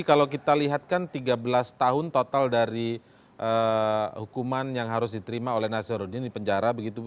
kalau kita lihatkan tiga belas tahun total dari hukuman yang harus diterima oleh nazarudin di penjara begitu ya